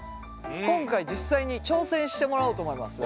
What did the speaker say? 今回実際に挑戦してもらおうと思います。